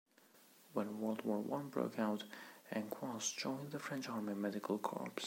When World War One broke out, Encausse joined the French army medical corps.